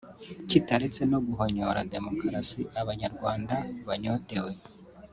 kitaretse no guhonyora demokarasi Abanyarwanda banyotewe